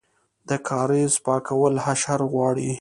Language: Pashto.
د کاریز پاکول حشر غواړي؟